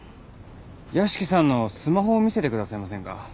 屋敷さんのスマホを見せてくださいませんか？